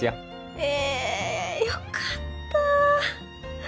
ええよかったあ。